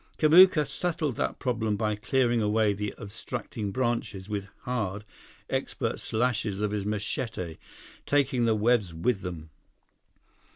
Kamuka settled that problem by clearing away the obstructing branches with hard, expert slashes of his machete, taking the webs with them.